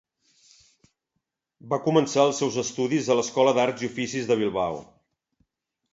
Va començar els seus estudis en l'Escola d'Arts i Oficis de Bilbao.